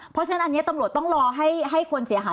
เพราะฉะนั้นอันนี้ตำรวจต้องรอให้คนเสียหาย